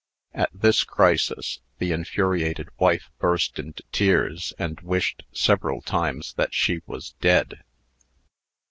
At this crisis, the infuriated wife burst into tears, and wished several times that she was dead.